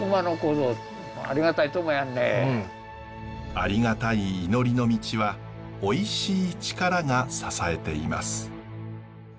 ありがたい祈りの道はおいしい力が支えています。